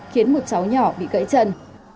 khiến một cháu nhỏ bị gãy chân